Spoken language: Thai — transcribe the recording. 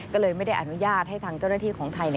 ก็เลยไม่ได้อนุญาตให้ทางเจ้าหน้าที่ของไทย